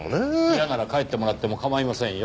嫌なら帰ってもらっても構いませんよ。